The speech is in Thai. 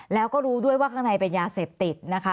แล้วก็รู้ด้วยว่าข้างในเป็นยาเสพติดนะคะ